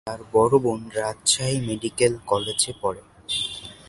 তার বড় বোন রাজশাহী মেডিকেল কলেজে পড়ে।